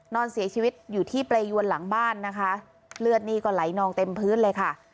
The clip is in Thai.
นอนเสียชีวิตอยู่ที่เปรยวนหลังบ้านนะคะเลือดนี่ก็ไหลนองเต็มพื้นเลยค่ะ